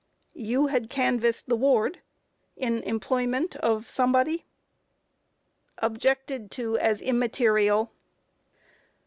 Q. You had canvassed the ward in the employment of somebody? Objected to as immaterial.